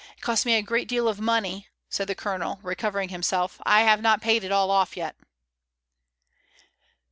It cost me a great deal of money," said the Colonel, recovering himself; "I have not paid it all off yet."